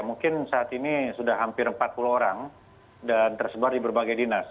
mungkin saat ini sudah hampir empat puluh orang dan tersebar di berbagai dinas